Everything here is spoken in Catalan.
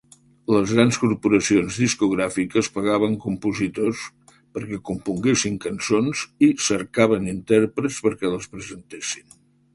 Les grans corporacions discogràfiques pagaven compositors perquè componguessin cançons i cercaven intèrprets perquè les presentessin.